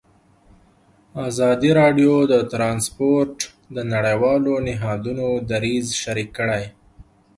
ازادي راډیو د ترانسپورټ د نړیوالو نهادونو دریځ شریک کړی.